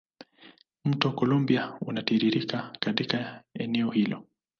Mto Columbia unatiririka katika eneo hilo.